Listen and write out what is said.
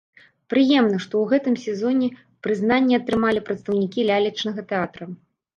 Прыемна, што ў гэтым сезоне прызнанне атрымалі прадстаўнікі лялечнага тэатра.